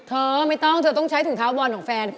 เธอไม่ต้องเธอต้องใช้ถุงเท้าบอลของแฟน